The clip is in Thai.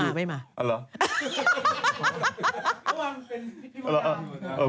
เอ้าเหรอเมื่อวานเป็นที่เมื่อวานอยู่เหมือนกัน